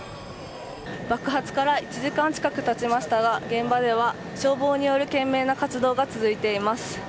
爆発から１時間近く経ちましたが現場では消防による懸命な活動が続いています。